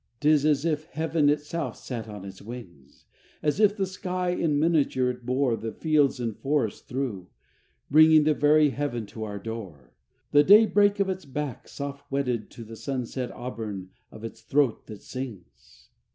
'T is as if heaven itself sat on its wings; As if the sky in miniature it bore The fields and forests through, Bringing the very heaven to our door; The daybreak of its back soft wedded to The sunset auburn of its throat that sings.